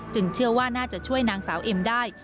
เชื่อว่าน่าจะช่วยนางสาวเอ็มได้